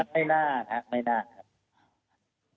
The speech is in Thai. ไม่น่านะครับไม่น่าครับ